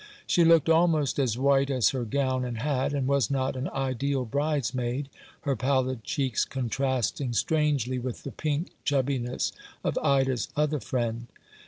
She looked almost as white as her gown and hat, and was not an ideal bridesmaid, her pallid cheeks contrasting strangely with the pink chubbiness of Ida's other friend.